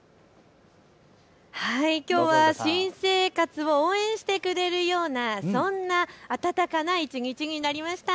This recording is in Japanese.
きょうは新生活を応援してくれるような、そんな暖かな一日になりました。